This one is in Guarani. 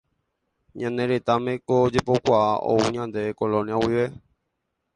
Ñane retãme ko jepokuaa ou ñandéve Colonia guive.